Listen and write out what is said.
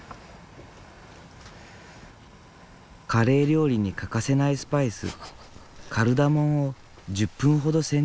カレー料理に欠かせないスパイスカルダモンを１０分ほど煎じる。